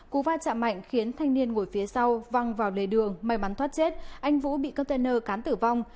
cú va chạm mạnh khiến thanh niên ngồi phía sau văng vào lề đường may mắn thoát chết anh vũ bị container cán tử vong